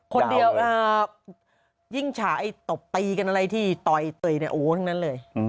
คนเดียวยิ่งชะไอ้ตบตีกันอะไรที่ต่อยไต๊โนะถึงนั้นเลย